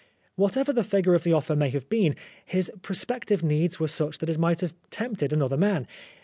Whatever the figure of the offer may have been, his prospective needs were such that it might have tempted an other man.